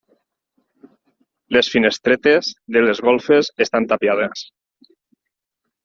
Les finestretes de les golfes estan tapiades.